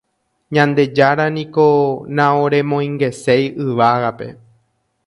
Ñandejára niko naoremoingeséi yvágape.